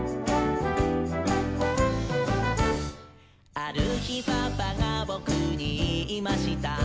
「あるひパパがボクにいいました」